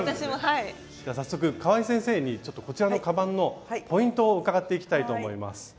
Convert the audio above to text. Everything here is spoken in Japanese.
早速かわい先生にこちらのカバンのポイントを伺っていきたいと思います。